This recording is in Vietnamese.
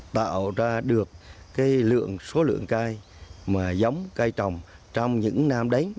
tạo ra được cái lượng số lượng cai mà giống cai trồng trong những năm đến